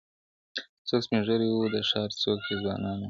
• څوک سپین ږیري وه د ښار څوک یې ځوانان ول -